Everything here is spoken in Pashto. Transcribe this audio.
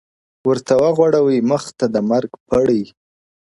ورته وغوړوي مخ ته د مرګ پړی -